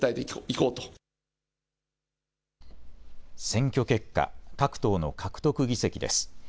選挙結果、各党の獲得議席です。